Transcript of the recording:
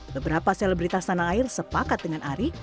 beberapa selebritas tanah air sepakat dengan ari